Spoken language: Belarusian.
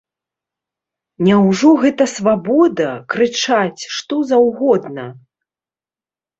Няўжо гэта свабода, крычаць, што заўгодна?